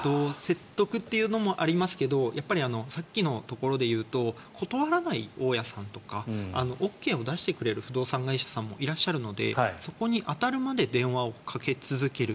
説得というのもありますがさっきのところでいうと断らない大家さんとかＯＫを出してくれる不動産会社もいらっしゃるのでそこに当たるまで電話をかけ続ける。